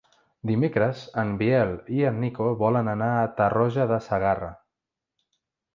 Dimecres en Biel i en Nico volen anar a Tarroja de Segarra.